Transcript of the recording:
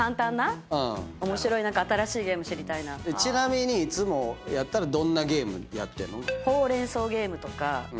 ちなみにいつもやったらどんなゲームやってんの？